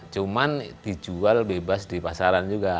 cuma dijual bebas di pasaran juga